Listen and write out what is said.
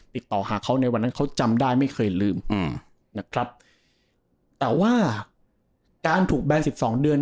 ติดต่อหาเขาในวันนั้นเขาจำได้ไม่เคยลืมอืมนะครับแต่ว่าการถูกแบนสิบสองเดือน